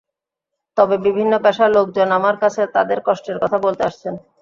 তবে বিভিন্ন পেশার লোকজন আমার কাছে তাঁদের কষ্টের কথা বলতে আসছেন।